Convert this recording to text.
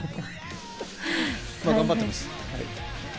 まぁ頑張ってます。